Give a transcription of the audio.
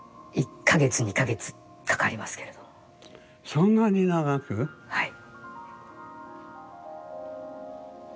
そんなに長く⁉はい。